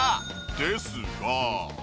ですが。